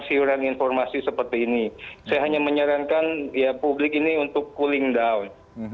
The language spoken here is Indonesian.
saya hanya menyarankan ya publik ini untuk cooling down